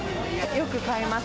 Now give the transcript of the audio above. よく買います。